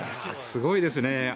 すごいですね！